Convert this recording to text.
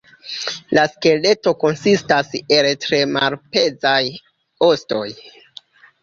La skeleto konsistas el tre malpezaj ostoj.